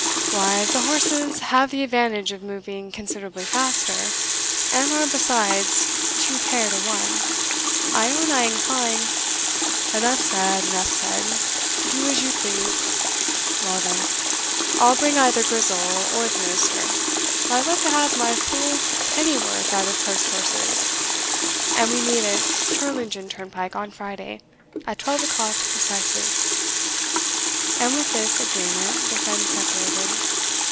"Why, as the horse's have the advantage of moving considerably faster, and are, besides, two pair to one, I own I incline" "Enough said enough said do as you please. Well then, I'll bring either Grizel or the minister, for I love to have my full pennyworth out of post horses and we meet at Tirlingen turnpike on Friday, at twelve o'clock precisely. " And with this ageement the friends separated.